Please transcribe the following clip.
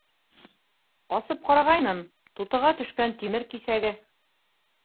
Асып ҡарағайным, тутыға төшкән тимер киҫәге.